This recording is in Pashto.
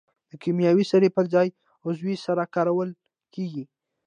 د کیمیاوي سرې پر ځای عضوي سره کارول کیږي.